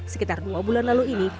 sekitar dua bulan lalu ini